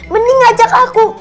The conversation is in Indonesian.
mending ajak aku